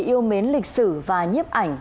yêu mến lịch sử và nhiếp ảnh